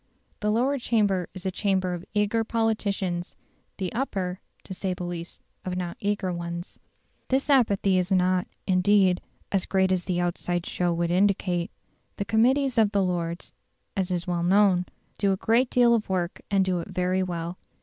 The Lower Chamber is a chamber of eager politicians; the Upper (to say the least) of not eager ones. This apathy is not, indeed, as great as the outside show would indicate. The committees of the Lords (as is well known) do a great deal of work and do it very well.